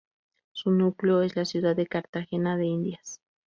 Su núcleo es la ciudad de Cartagena de Indias.